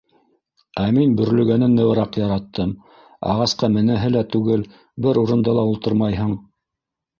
Ә мин бөрлөгәнен нығыраҡ яраттым, ағасҡа менәһе лә түгел, бер урында ла ултырмайһың.